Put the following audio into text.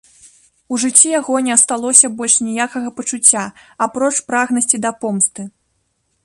У жыцці яго не асталося больш ніякага пачуцця, апроч прагнасці да помсты.